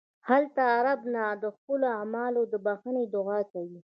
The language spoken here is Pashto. هلته رب نه د خپلو اعمالو د بښنې دعا کوئ.